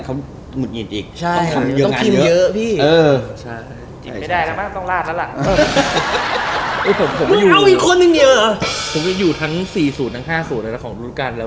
ผมจะอยู่ทั้ง๔ศูนย์ทั้ง๕ศูนย์แต่ของรูดการแล้ว